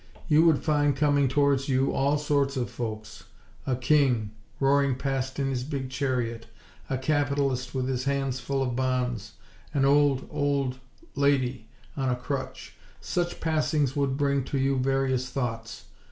You would find coming towards you, all sorts of folks: a king, roaring past in his big chariot, a capitalist with his hands full of bonds, an old, old lady, on a crutch. Such passings would bring to you various thoughts.